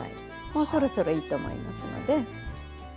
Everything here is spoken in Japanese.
もうそろそろいいと思いますので。